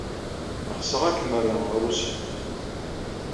Ɣseɣ ad kem-rreɣ ɣer usegnaf.